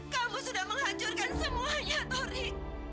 kamu sudah menghancurkan semuanya tori